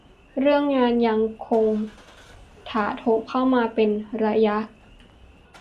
เรื่องงานยังคงถาโถมเข้ามาเป็นระยะ